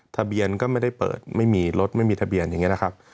ทะเบียนก็ไม่ได้เปิดไม่มีรถไม่มีทะเบียนอย่างนี้นะครับ